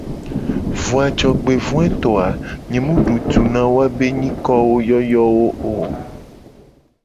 Vo a jogbevoeto a nye mu du tu na woabe be nyikoyoyowo o.